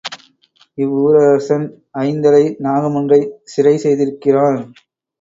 இவ்வூரரசன் ஐந்தலை நாகமொன்றைச் சிறை செய்திருக்கிறான்.